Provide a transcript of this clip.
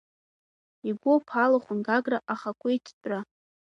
Игәыԥ алахәын Гагра ахақәиҭтәра.